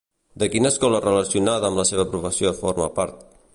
De quina escola relacionada amb la seva professió forma part?